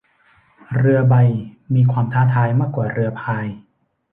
เรือใบมีความท้าทายมากกว่าเรือพาย